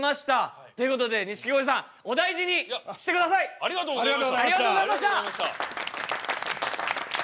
ありがとうございます。